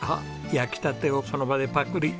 焼きたてをその場でパクリ。